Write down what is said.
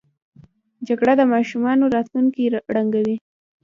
جګړه د ماشومانو راتلونکی ړنګوي